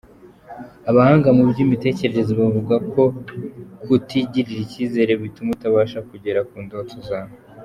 Abahanga mu by’imitekerereze bavuga ko kutigirira icyizere bituma utabasha kugera ku ndoto zawe.